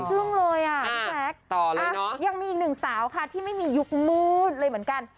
ลุ่งเลยอ่ะต่อเลยเนาะยังมีอีกหนึ่งสาวค่ะที่ไม่มียุคมืนเลยเหมือนกัน